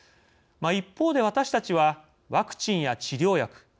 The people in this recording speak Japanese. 一方で私たちはワクチンや治療薬